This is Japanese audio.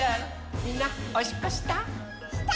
みんなおしっこした？